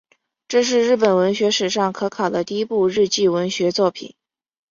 这是日本文学史上可考的第一部日记文学作品。